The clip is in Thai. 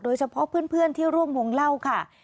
โดยเฉพาะเพื่อนที่ร่วมพงเล่าค่ะ